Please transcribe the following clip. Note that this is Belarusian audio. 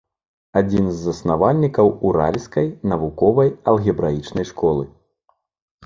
Адзін з заснавальнікаў уральскай навуковай алгебраічнай школы.